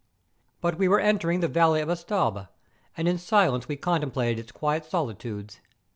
But we were entering the valley of Estaube, and in silence we contemplated its quiet solitudes.